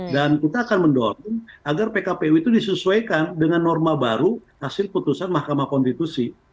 dan kita akan mendorong agar pkpu itu disesuaikan dengan norma baru hasil putusan mahkamah konstitusi